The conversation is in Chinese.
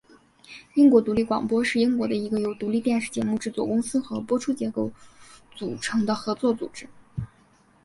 英国独立广播是英国的一个由独立电视节目制作公司和播出机构组成的合作组织。